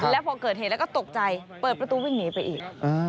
แล้วพอเกิดเหตุแล้วก็ตกใจเปิดประตูวิ่งหนีไปอีก